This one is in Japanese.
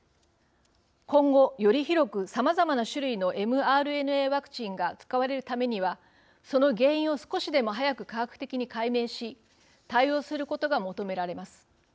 今後より広くさまざまな種類のｍＲＮＡワクチンが使われるためにはその原因を少しでも早く科学的に解明し対応することが求められます。